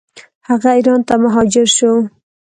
هغه ایران ته مهاجر شو.